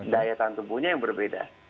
daya tahan tubuhnya yang berbeda